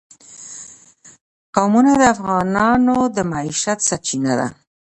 قومونه د افغانانو د معیشت سرچینه ده.